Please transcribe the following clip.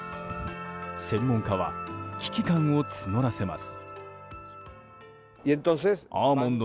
専門家は危機感を募らせます。